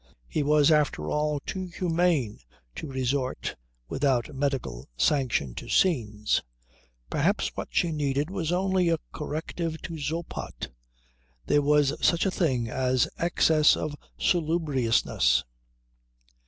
He was, after all, too humane to resort without medical sanction to scenes. Perhaps what she needed was only a corrective to Zoppot. There was such a thing as excess of salubriousness.